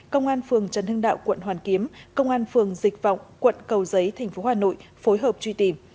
công an phường trần hưng đạo quận hoàn kiếm công an phường dịch vọng quận cầu giấy tp hà nội phối hợp truy tìm